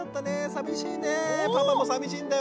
さみしいねパパもさみしいんだよ」